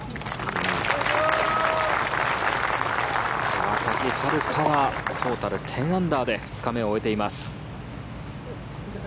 川崎春花はトータル１０アンダーで２日目を終えています。